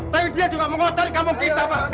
tapi dia juga mengotori kampung kita pak